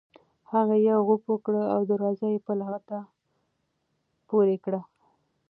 هغه یو غوپ وکړ او دروازه یې په لغته پورې کړه.